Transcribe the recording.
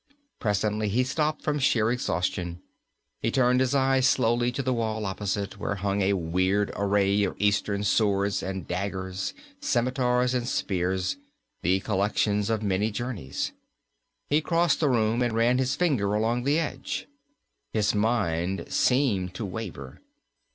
Presently he stopped from sheer exhaustion. He turned his eyes slowly to the wall opposite, where hung a weird array of Eastern swords and daggers, scimitars and spears, the collections of many journeys. He crossed the room and ran his finger along the edge. His mind seemed to waver.